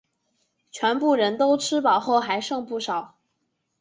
全部人都吃饱后还剩不少